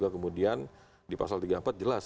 kemudian di pasal tiga puluh empat jelas